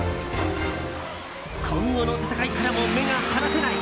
今後の戦いからも目が離せない！